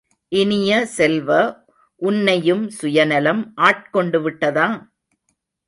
இனிய செல்வ, உன்னையும் சுயநலம் ஆட்கொண்டு விட்டதா?